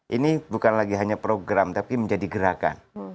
ini bukan lagi hanya program tapi menjadi gerakan